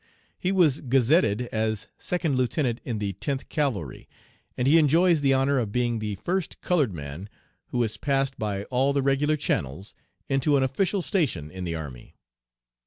He was gazetted as second lieutenant in the Tenth Cavalry, and he enjoys the honor of being the first colored man who has passed by all the regular channels into an official station in the army.